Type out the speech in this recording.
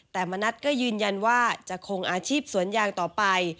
แต่มณัฐก็ยืนยันว่าจะคงอาชีพสวนยางต่อไป